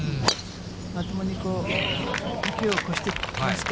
まともに池を越してきますか。